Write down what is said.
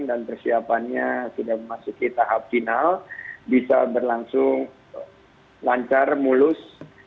dan persiapannya sudah memasuki tahap final bisa berlangsung lancar mulus